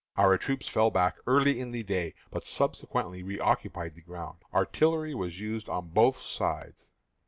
Our troops fell back early in the day, but subsequently reoccupied the ground. Artillery was used on both sides.